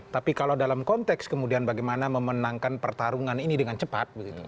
tapi kalau dalam konteks kemudian bagaimana memenangkan pertarungan ini dengan cepat